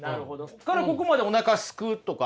ここからここまでおなかすくとか。